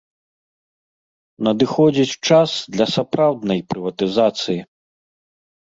Надыходзіць час для сапраўднай прыватызацыі.